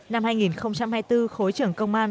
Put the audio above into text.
năm hai nghìn hai mươi bốn khối trưởng công an